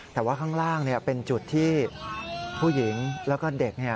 แต่ว่าข้างล่างเป็นจุดที่ผู้หญิงแล้วก็เด็ก